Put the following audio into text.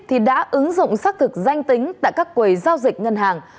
thì đã ứng dụng xác thực danh tính tại các quầy giao dịch ngân hàng